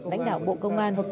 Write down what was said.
lãnh đạo bộ công an